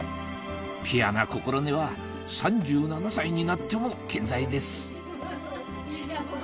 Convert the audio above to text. ピュアな心根は３７歳になっても健在です